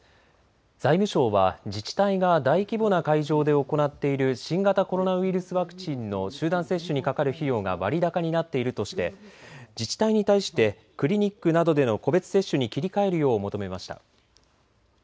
財務省は自治体が大規模な会場で行っている新型コロナウイルスワクチンの集団接種にかかる費用が割高になっているとして自治体に対してクリニックなどでの個別接種に切り替えるよう求めました。